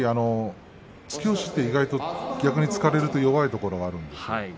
突き押しは意外と突かれると弱いところがあるんですね。